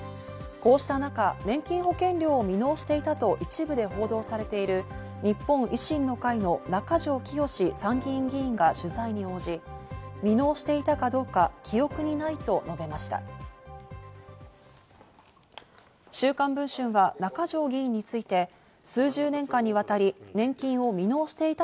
こうした中、年金保険料を未納していたと一部で報道されている日本維新の会の中条きよし参議院議員が取材に応じ、未納していたかどうか記憶にないと述べました。